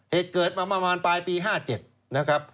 เหตุเกิดมาปลายปี๕๗นะครับ